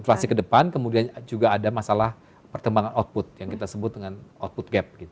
inflasi ke depan kemudian juga ada masalah perkembangan output yang kita sebut dengan output gap